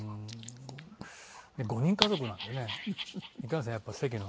５人家族なんでねいかんせんやっぱ席のね。